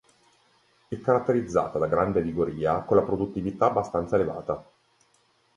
È caratterizzata da grande vigoria con la produttività abbastanza elevata.